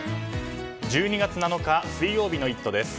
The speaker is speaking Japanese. １２月７日水曜日の「イット！」です。